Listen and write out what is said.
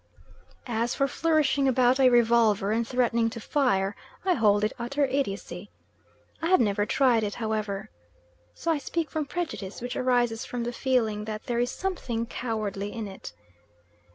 As for flourishing about a revolver and threatening to fire, I hold it utter idiocy. I have never tried it, however, so I speak from prejudice which arises from the feeling that there is something cowardly in it.